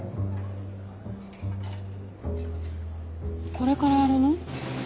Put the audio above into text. これからやるの？